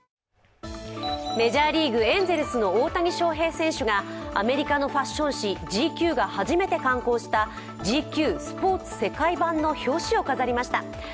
メジャーリーグ、エンゼルスの大谷翔平選手がアメリカのファッション誌「ＧＱ」が初めて観光した「ＧＱスポーツ世界版」の表紙を飾りました。